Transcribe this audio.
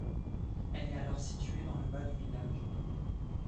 Elle est alors située dans le bas du village.